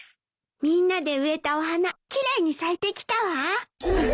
みんなで植えたお花奇麗に咲いてきたわ。